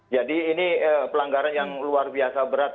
jadi ini pelanggaran yang luar biasa berat